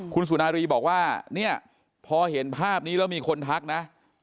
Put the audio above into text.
คุณสุนารีบอกว่าเนี่ยพอเห็นภาพนี้แล้วมีคนทักนะ